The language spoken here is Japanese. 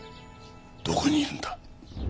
どこに居るんだ？